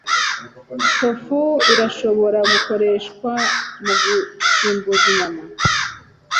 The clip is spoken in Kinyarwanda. Tofu irashobora gukoreshwa mugusimbuza inyama.